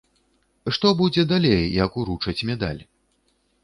Што будзе далей, як уручаць медаль?